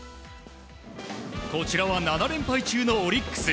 こちらは７連敗中のオリックス。